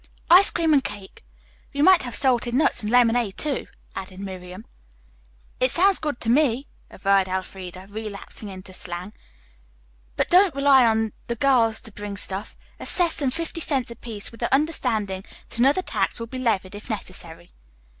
"Ice cream and cake. We might have salted nuts and lemonade, too," added Miriam. "It sounds good to me," averred Elfreda, relapsing into slang. "But don't rely on the girls to bring this stuff. Assess them fifty cents apiece with the understanding that another tax will be levied if necessary."